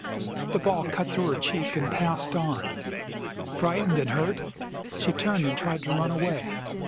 The ball cut through her cheek and passed on. Frightened and hurt, she turned and tried to run away.